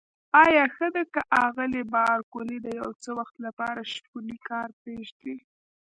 آیا ښه ده که آغلې بارکلي د یو څه وخت لپاره شپنی کار پرېږدي؟